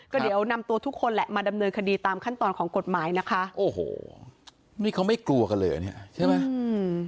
ก็เดี๋ยวนำตัวทุกคนแหละมาดำเนินคดีตามขั้นตอนของกฎหมายนะคะโอ้โหนี่เขาไม่กลัวกันเลยอ่ะเนี้ยใช่ไหมอืม